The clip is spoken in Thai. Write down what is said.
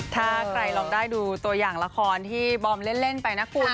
ถ้าใครลองได้ดูตัวอย่างละครที่บอมเล่นไปนะคุณ